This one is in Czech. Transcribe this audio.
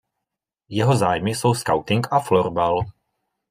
Jeho zájmy jsou skauting a florbal.